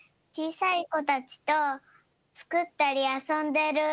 さいこたちとつくったりあそんでる。